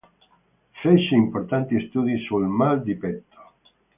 Fece importanti studi sul "mal di petto".